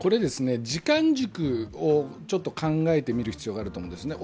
時間軸を考えてみる必要があると思うんですね。